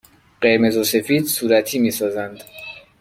قرمز و سفید صورتی می سازند.